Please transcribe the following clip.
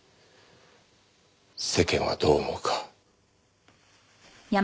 世間はどう思うか。